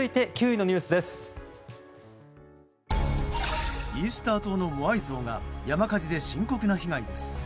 イースター島のモアイ像が山火事で深刻な被害です。